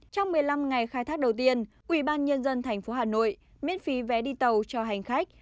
trong một mươi năm ngày khai thác đầu tiên ubnd tp hà nội miễn phí vé đi tàu cho hành khách